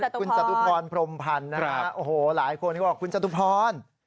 คุณจตุพรพรมพันธ์นะครับโอ้โหหลายคนก็บอกคุณจตุพร